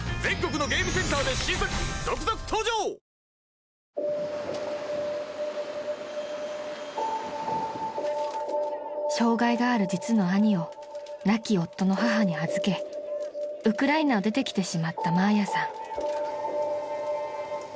やさしい確定申告はｆｒｅｅｅ［障がいがある実の兄を亡き夫の母に預けウクライナを出てきてしまったマーヤさん］